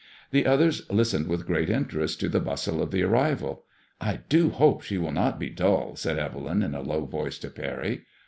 The others listened with great interest to the bustle of the arrival. '' I do hope she will not be dull/' said Evelyn, in a low voice, to Parry.